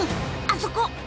あそこ。